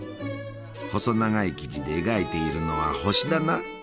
細長い生地で描いているのは星だな。